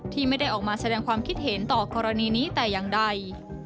ที่ไม่ได้ออกมาแสดงความคิดเห็นต่อกรณีนี้แต่อย่างใด